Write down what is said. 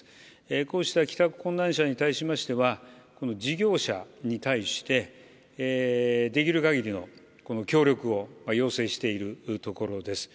こうした帰宅困難者に対しましては、この事業者に対して、できるかぎりの協力を要請しているところです。